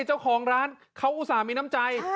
เจ้าของร้านเขาอุตส่าห์มีน้ำใจ